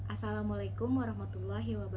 assalamualaikum wr wb